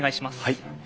はい。